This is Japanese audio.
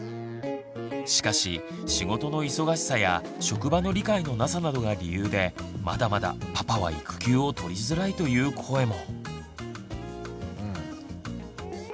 しかし仕事の忙しさや職場の理解のなさなどが理由でまだまだパパは育休を取りづらいという声も。